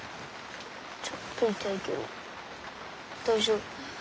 ちょっと痛いけど大丈夫。